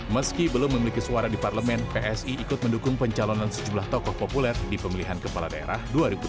meski belum memiliki suara di parlemen psi ikut mendukung pencalonan sejumlah tokoh populer di pemilihan kepala daerah dua ribu dua puluh